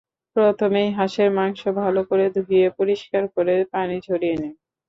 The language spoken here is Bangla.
প্রথমেই হাঁসের মাংস ভালো করে ধুয়ে পরিষ্কার করে পানি ঝরিয়ে নিন।